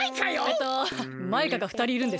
えっとマイカがふたりいるんですか？